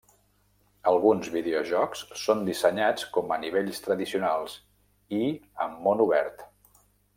Alguns videojocs són dissenyats com a nivells tradicionals i amb món obert.